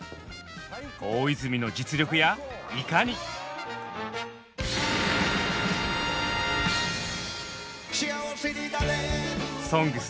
大泉の実力やいかに⁉「ＳＯＮＧＳ」